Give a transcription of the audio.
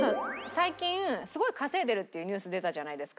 最近すごい稼いでるっていうニュース出たじゃないですか。